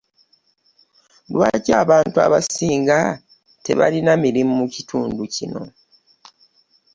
Lwaki abantu abasinga tebalina mirimu mu kitundu kino?